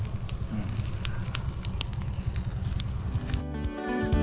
tidak ada masalah kita bisa mencoba